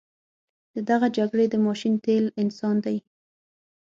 د دغه جګړې د ماشین تیل انسان دی.